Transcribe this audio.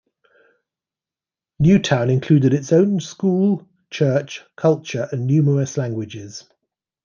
New Town included its own school, church, culture and numerous languages.